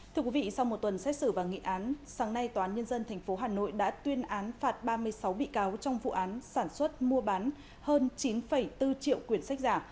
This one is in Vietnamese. thưa quý vị sau một tuần xét xử và nghị án sáng nay tòa án nhân dân tp hà nội đã tuyên án phạt ba mươi sáu bị cáo trong vụ án sản xuất mua bán hơn chín bốn triệu quyển sách giả